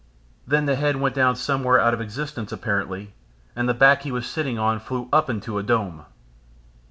Then the head went down somewhere out of existence apparently, and the back he was sitting on flew up into a dome.